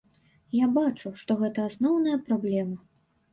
Я бачу, што гэта асноўная праблема.